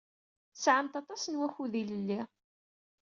Tesɛamt aṭas n wakud ilelli.